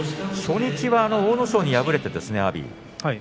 初日は阿武咲に敗れました阿炎。